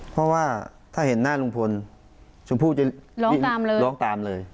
เพราะว่าถ้าเห็นหน้าลุงพลชมพู่จะร้องตามเลย